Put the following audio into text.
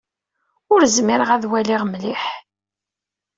Ur zmireɣ ad waliɣ mliḥ.